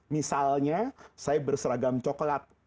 misalnya saya berseragam coklat